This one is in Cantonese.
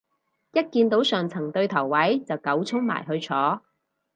一見到上層對頭位就狗衝埋去坐